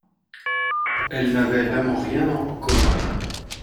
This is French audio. elle n’avait vraiment rien en commun.